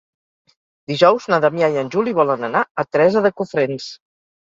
Dijous na Damià i en Juli volen anar a Teresa de Cofrents.